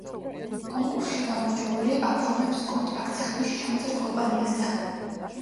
კონკურსში გამარჯვებული აფორმებს კონტრაქტს ხმისჩამწერ კომპანიასთან.